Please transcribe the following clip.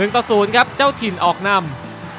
ต่อ๐ครับเจ้าถิ่นออกนำ